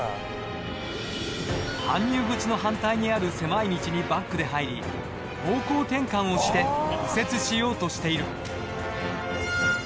搬入口の反対にある狭い道にバックで入り方向転換をして右折しようとしている。